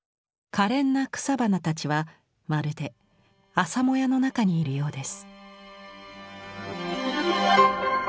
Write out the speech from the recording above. かれんな草花たちはまるで朝もやの中にいるようです。